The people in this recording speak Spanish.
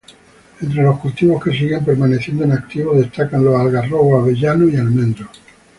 Entre los cultivos que siguen permaneciendo en activo destacan los algarrobos, avellanos y almendros.